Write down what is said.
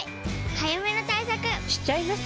早めの対策しちゃいます。